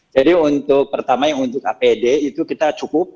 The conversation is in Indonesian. jadi untuk pertama yang untuk apd itu kita cukup